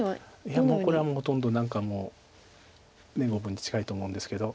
いやこれはほとんど何か五分に近いと思うんですけど。